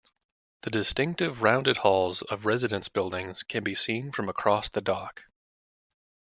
The distinctive rounded halls of residence buildings can be seen from across the dock.